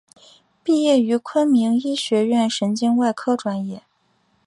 毕业于昆明医学院神经外科专业。